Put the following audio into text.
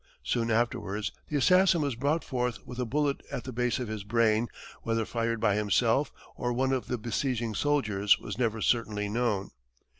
Soon afterwards, the assassin was brought forth with a bullet at the base of his brain, whether fired by himself or one of the besieging soldiers was never certainly known.